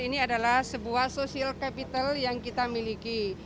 ini adalah sebuah social capital yang kita miliki